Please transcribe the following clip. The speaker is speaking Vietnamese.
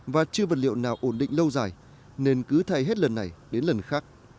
và chưa vật liệu nào ổn định lâu dài nên cứ thay hết lần này đến lần khác